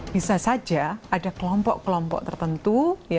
bisa saja ada kelompok kelompok tertentu